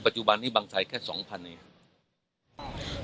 ปัจจุบันนี้บางไทยแค่๒๐๐๐เนี่ย